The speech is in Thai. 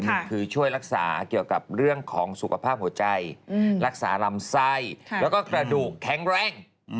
หนึ่งคือช่วยรักษาเกี่ยวกับเรื่องของสุขภาพหัวใจรักษาลำไส้แล้วก็กระดูกแข็งแรง